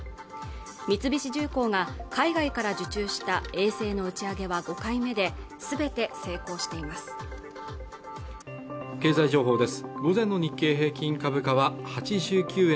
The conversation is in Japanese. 三菱重工が海外から受注した衛星の打ち上げは５回目ですべて成功しています